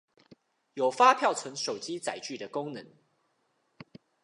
有發票存手機載具的功能